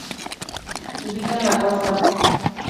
Se ubica en la costa.